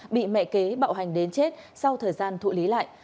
bị mẹ kế bạo hành đến chết sau thời gian thụ lý lại